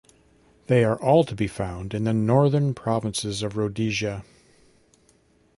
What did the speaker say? They are all to be found in the northern provinces of Rhodesia.